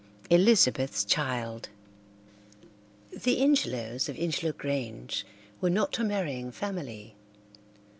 Elizabeth's ChildToC The Ingelows, of Ingelow Grange, were not a marrying family.